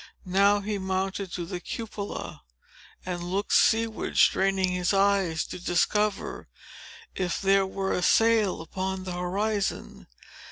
Now, he mounted to the cupola, and looked sea ward, straining his eyes to discover if there were a sail upon the horizon.